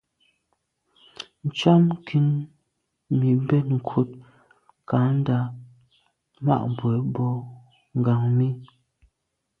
Ntsham nkin mi mbèn nkut kandà ma’ bwe boa ngàm mi.